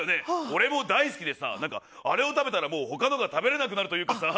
俺も大好きでさ、あれを食べたら他のが食べれなくなるというかさ。